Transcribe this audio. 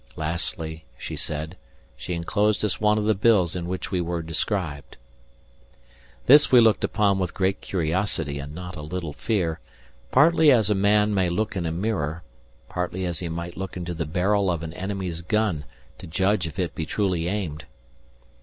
Lastly, she said, she enclosed us one of the bills in which we were described. This we looked upon with great curiosity and not a little fear, partly as a man may look in a mirror, partly as he might look into the barrel of an enemy's gun to judge if it be truly aimed.